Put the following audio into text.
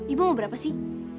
ibu mau berapa sih